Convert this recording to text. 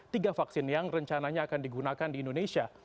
tiga vaksin yang rencananya akan digunakan di indonesia